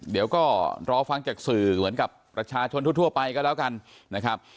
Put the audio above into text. เดี๋ยวก็รอฟังจากสื่อเหมือนกับประชาชนทั่วไปก็แล้วกันนะครับ